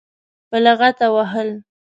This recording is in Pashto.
په لغته وهل.